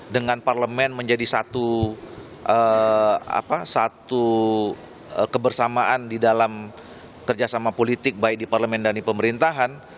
dengan parlemen menjadi satu kebersamaan di dalam kerjasama politik baik di parlemen dan di pemerintahan